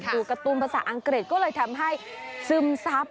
ถูกการ์ตูนภาษาอังกฤษก็เลยทำให้ซึมซับ